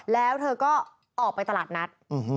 แล้วเธอก็ออกไปตลาดนัด